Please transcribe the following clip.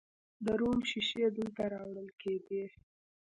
د روم شیشې دلته راوړل کیدې